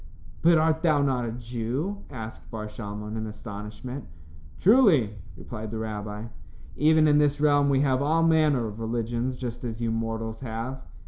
"But art thou not a Jew?" asked Bar Shalmon, in astonishment. "Truly," replied the rabbi. "Even in this realm we have all manner of religions just as you mortals have."